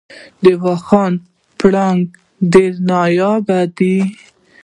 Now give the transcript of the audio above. د واخان پړانګ ډیر نایاب دی